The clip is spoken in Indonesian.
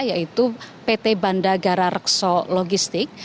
yaitu pt bandagara rekso logistik